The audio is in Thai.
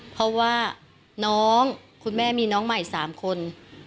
เพราะว่าน้องคุณแม่มีน้องใหม่๓คน